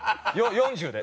４０で。